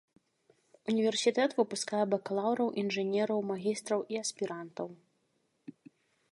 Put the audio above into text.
Універсітэт выпускае бакалаўраў, інжынераў, магістраў і аспірантаў.